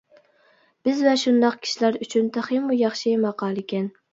بىز ۋە شۇنداق كىشىلەر ئۈچۈن تېخىمۇ ياخشى ماقالىكەن.